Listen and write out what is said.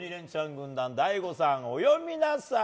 軍団大悟さん、お詠みなさい！